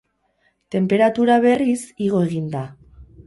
Tenperatura, berriz, igo egin da.